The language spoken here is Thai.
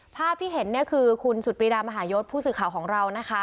ภาพที่เห็นเนี่ยคือคุณสุดปรีดามหายศผู้สื่อข่าวของเรานะคะ